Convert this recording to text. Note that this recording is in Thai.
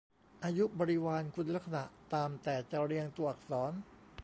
อายุ บริวาร คุณลักษณะตามแต่จะเรียงตัวอักษร